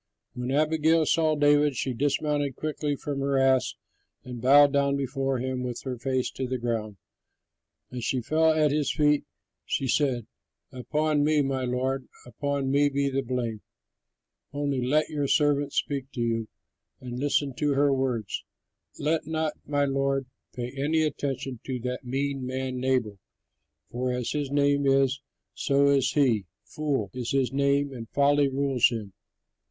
When Abigail saw David, she dismounted quickly from her ass and bowed down before him with her face to the ground. As she fell at his feet she said, "Upon me, my lord, upon me be the blame. Only let your servant speak to you, and listen to her words. Let not my lord pay any attention to that mean man Nabal, for as his name is, so is he. 'Fool' is his name and folly rules him.